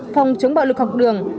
phòng chống bạo lực học đường